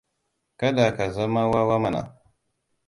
Kada ka zama wawa mana.